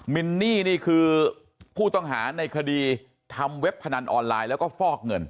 มินนี่นี่คือผู้ต้องหาในคดีทำเว็บพนันออนไลน์แล้วก็ฟอกเงิน